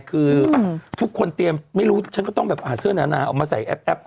คือทุกคนเตรียมไม่รู้ฉันก็ต้องแบบหาเสื้อนานาออกมาใส่แอป